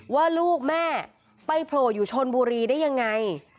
ว่าลูกแม่ไปโผล่อยู่ชนบุรีได้ยังไง